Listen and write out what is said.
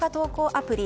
アプリ